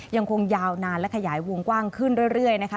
ยังคงยาวนานและขยายวงกว้างขึ้นเรื่อยนะคะ